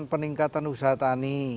peningkatan usaha tani